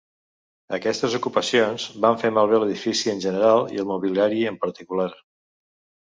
Aquestes ocupacions van fer malbé l'edifici en general i el mobiliari en particular.